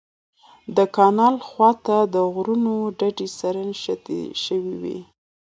د کانال خوا ته د غرونو ډډې سره نږدې شوې وې.